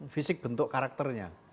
fisik bentuk karakternya